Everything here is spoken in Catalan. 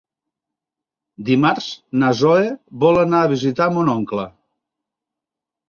Dimarts na Zoè vol anar a visitar mon oncle.